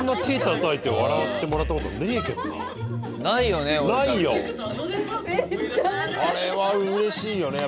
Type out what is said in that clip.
ないよ！